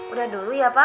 udah dulu ya pa